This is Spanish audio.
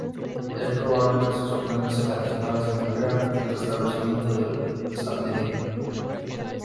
Es probable que sus planes adicionales incluyeran el restablecimiento del Sanedrín.